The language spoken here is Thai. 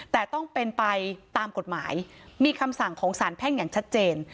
แต่ต้องเป็นไปตามกฎหมายมีคำสั่งของสารแพ่งอย่างชัดเจน